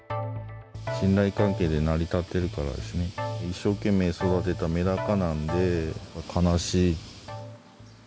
信頼関係で成り立ってるからですね、一生懸命育てたメダカなんで、悲しい。